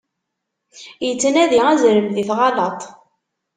Ittnadi azrem di tɣalaṭ.